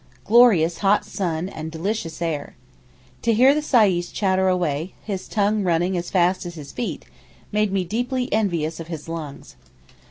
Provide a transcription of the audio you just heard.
Glorious hot sun and delicious air. To hear the sais chatter away, his tongue running as fast as his feet, made me deeply envious of his lungs.